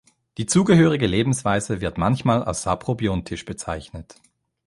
Die zugehörige Lebensweise wird manchmal als saprobiontisch bezeichnet.